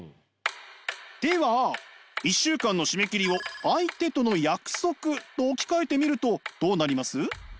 では１週間の締め切りを相手との約束と置き換えてみるとどうなります？